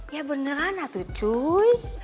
ya beneran ratu cuy